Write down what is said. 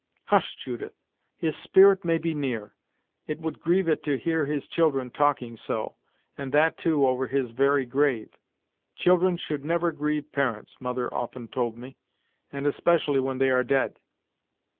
"Hush, Judith! His spirit may be near; it would grieve it to hear his children talking so, and that, too, over his very grave. Children should never grieve parents, mother often told me, and especially when they are dead!"